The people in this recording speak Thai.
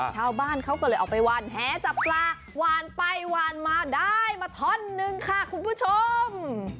ชาวบ้านเขาก็เลยออกไปวานแหจับปลาหวานไปหวานมาได้มาท่อนนึงค่ะคุณผู้ชม